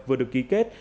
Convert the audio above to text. vừa được ký kết